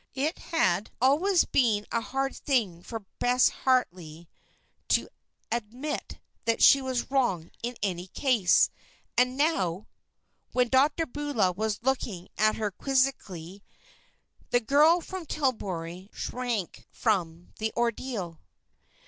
It had always been a hard thing for Bess Harley to admit that she was wrong in any case; and now, when Dr. Beulah was looking at her quizzically, the girl from Tillbury shrank from the ordeal.